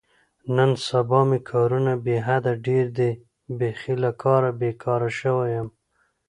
نن سبا مې کارونه بې حده ډېر دي، بیخي له کاره بېگاره شوی یم.